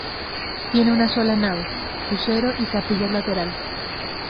Tiene una sola nave, crucero y capillas laterales.